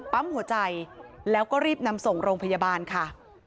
ปั๊มหัวใจแล้วก็รีบนำส่งโรงพยาบาลค่ะ